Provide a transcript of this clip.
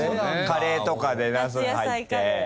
カレーとかでナス入って。